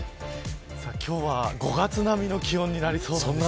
今日は５月並みの気温になりそうなんです。